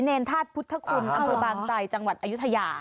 แนรนธาตุพุทธคุณอังกฤษภังใต้จังหวัดอยุธยา